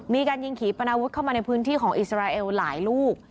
มีการยิงขี่ปนาวุธเข้ามาในพื้นที่ของอิสราเอลหลายลูก